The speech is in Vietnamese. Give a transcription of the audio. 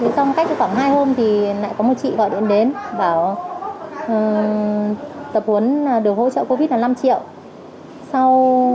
trong cách khoảng hai hôm thì lại có một chị gọi điện đến bảo tập huấn được hỗ trợ covid là năm triệu